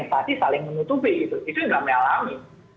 empati saling menutupi itu nggak meralami